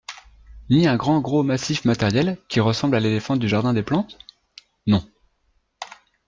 Ni un grand gros massif matériel qui ressemble à l'éléphant du Jardin des Plantes ? Non.